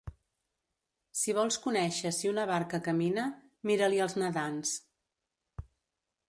Si vols conèixer si una barca camina, mira-li els nedants.